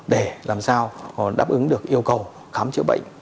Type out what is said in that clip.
để làm sao đáp ứng được yêu cầu khám chữa bệnh